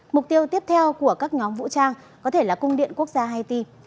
mục tiêu tiếp theo của các nhóm vũ trang có thể là cung điện quốc gia haiti